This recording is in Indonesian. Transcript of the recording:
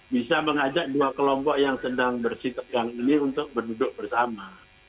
bisa mengajak dua kelompok yang sedang bersikap gangili untuk berduduk bersama